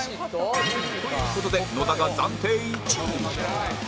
という事で野田が暫定１位